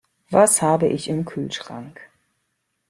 Was habe ich im Kühlschrank?